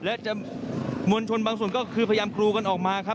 และมวลชนบางส่วนก็คือพยายามกรูกันออกมาครับ